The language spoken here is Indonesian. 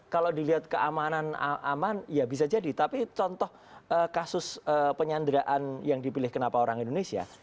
kalau dilihat keamanan aman ya bisa jadi tapi contoh kasus penyanderaan yang dipilih kenapa orang indonesia